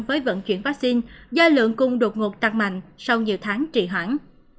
với vận chuyển vaccine do lượng cung đột ngột tăng mạnh sau nhiều tháng trị hoãn